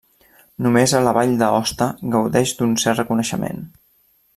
Només a la Vall d'Aosta gaudeix d'un cert reconeixement.